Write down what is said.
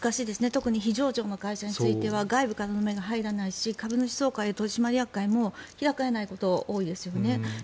特に非上場の会社においては外部からの目が入らないし株主総会も取締役会も開かれないことが多いですよね。